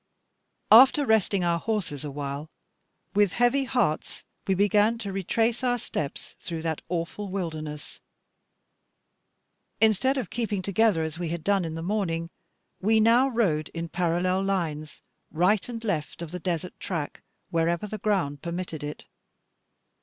After resting our horses awhile, with heavy hearts we began to retrace our steps through that awful wilderness. Instead of keeping together, as we had done in the morning, we now rode in parallel lines, right and left of the desert track, wherever the ground permitted it.